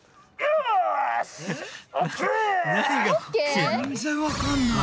全然わかんない。